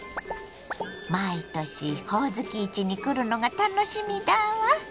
毎年ほおずき市に来るのが楽しみだわ。